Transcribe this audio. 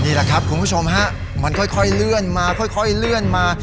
นี่แหละครับคุณผู้ชมฮะมันค่อยเลื่อนมาค่อยเลื่อนมา